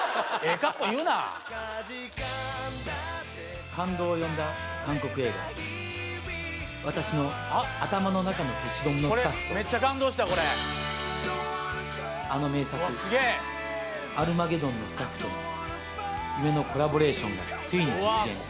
カッコ言うなかじかんだ手感動を呼んだ韓国映画「私の頭の中の消しゴム」のスタッフとあっこれメッチャ感動したこれあの名作「アルマゲドン」のスタッフと夢のコラボレーションがついに実現わあ